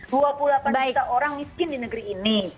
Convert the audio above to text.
dua puluh delapan juta orang miskin di negeri ini